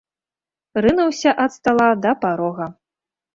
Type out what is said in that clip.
Рынуўся ад стала да парога.